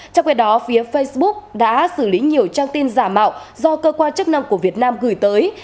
trong khi đó phía facebook đã xử lý nhiều trang tin giả mạo do cơ quan chức năng của việt nam gửi tới